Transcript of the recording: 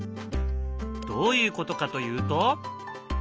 どういうことかというと。